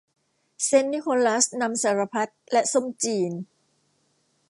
เซนต์นิโคลัสนำสารพัดและส้มจีน